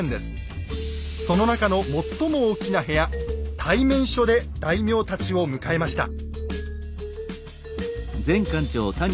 その中の最も大きな部屋「対面所」で大名たちを迎えました。